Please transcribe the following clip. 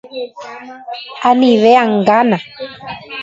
Anive angána